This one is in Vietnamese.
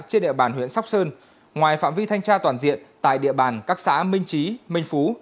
trên địa bàn huyện sóc sơn ngoài phạm vi thanh tra toàn diện tại địa bàn các xã minh trí minh phú